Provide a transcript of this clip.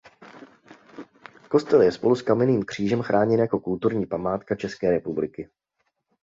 Kostel je spolu s kamenným křížem chráněn jako kulturní památka České republiky.